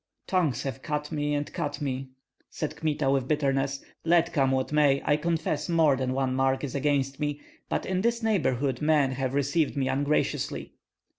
"Tongues have cut me and cut me," said Kmita, with bitterness. "Let come what may, I confess more than one mark is against me; but in this neighborhood men have received me ungraciously."